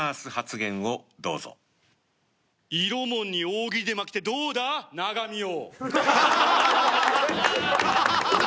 「イロモンに大喜利で負けてどうだ永見よ？」。